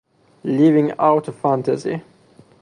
"Living Out A Fantasy"